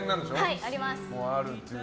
はい、あります。